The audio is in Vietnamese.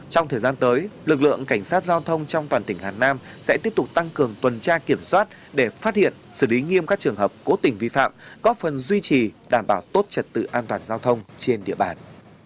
trong thời gian tới lực lượng cảnh sát giao thông trong toàn tỉnh hà nam sẽ tiếp tục tăng cường tuần tra kiểm soát để phát hiện xử lý nghiêm các trường hợp cố tình vi phạm góp phần duy trì đảm bảo tốt trật tự an toàn giao thông trên địa bàn